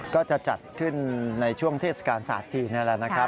ก็จะจัดขึ้นในช่วงเทศกาลสาธินแหละ